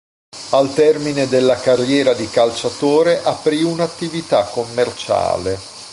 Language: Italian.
Al termine della carriera di calciatore aprì un'attività commerciale.